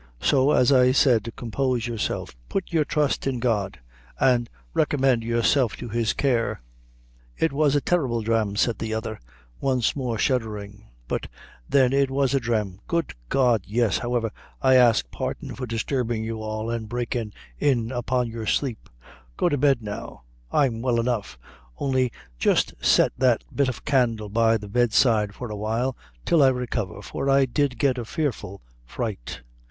So, as I said, compose yourself; put your trust in God, an' recommend yourself to his care." "It was a terrible drame," said the other, once more shuddering; "but then it was a drame. Good God; yes! However, I ax pardon for disturbin' you all, an' breaking in upon your sleep. Go to bed now; I'm well enough; only jist set that bit of candle by the bed side for awhile, till I recover, for I did get a fearful fright."